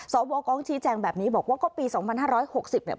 สวกองชี้แจงแบบนี้บอกว่าก็ปี๒๕๖๐เนี่ย